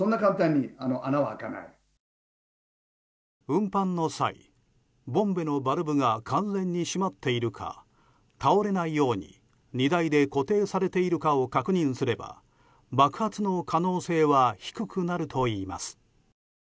運搬の際、ボンベのバルブが完全に閉まっているか倒れないように荷台で固定されているかを確認すれば爆発の可能性は低くなるといいます。